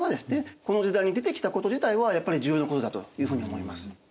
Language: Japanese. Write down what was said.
この時代に出てきたこと自体はやっぱり重要なことだというふうに思います。